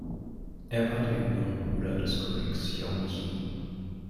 Er war der jüngere Bruder des Königs Yong Ji.